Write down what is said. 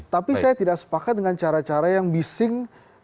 tapi saya tidak sepakat dengan cara cara yang bising